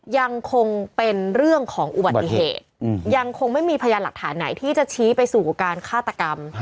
ยังคงเป็นเรื่องของอุบัติเหตุยังคงไม่มีพยานหลักฐานไหนที่จะชี้ไปสู่การฆาตกรรม